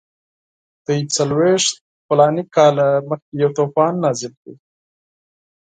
تاسو څلوېښت فلاني کاله مخکې یو طوفان نازل کړ.